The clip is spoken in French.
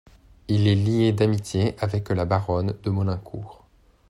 Il est lié d'amitié avec la baronne de Maulincour.